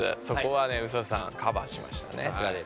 そこはねＳＡさんカバーしましたね。